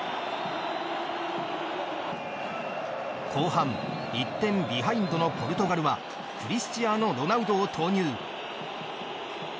後半１点ビハインドのポルトガルはクリスチアーノロナウドを投入。